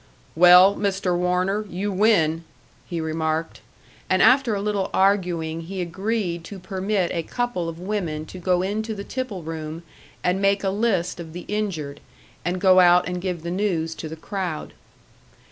"Well, Mr. Warner, you win," he remarked; and after a little arguing he agreed to permit a couple of women to go into the tipple room and make a list of the injured, and go out and give the news to the crowd.